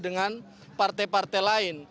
dengan partai partai lain